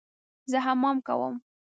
زه حمام کوم